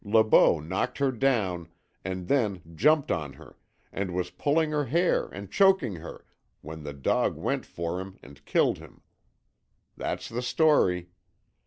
Le Beau knocked her down, and then jumped on her and was pulling her hair and choking her when the dog went for him and killed him. That's the story.